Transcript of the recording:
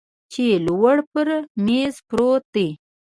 چې لوړ پر میز پروت دی